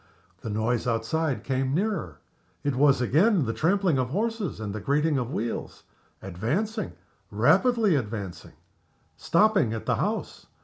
The noise outside came nearer. It was again the trampling of horses and the grating of wheels. Advancing rapidly advancing stopping at the house.